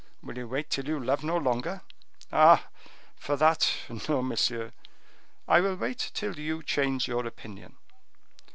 Will you wait till you love no longer?" "Ah! for that!—no, monsieur. I will wait till you change your opinion."